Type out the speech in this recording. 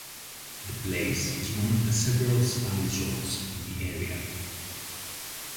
The place is one of several spa resorts in the area.